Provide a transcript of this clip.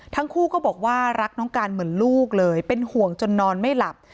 ทั้งคู่ก็บอกว่ารักน้องการเหมือนลูกเลยเป็นห่วงจนนอนไม่หลับ